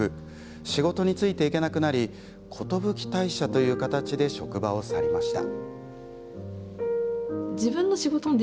仕事についていけなくなり寿退社という形で職場を去りました。